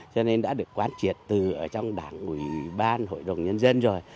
cho nên đã được quán triệt từ trong đảng ủy ban hội đồng nhân dân rồi